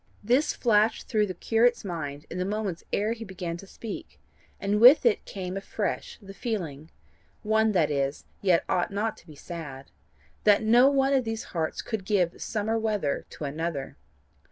This flashed through the curate's mind in the moments ere he began to speak, and with it came afresh the feeling one that is, yet ought not to be sad that no one of all these hearts could give summer weather to another.